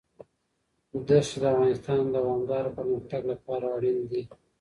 ښتې د افغانستان د دوامداره پرمختګ لپاره اړین دي.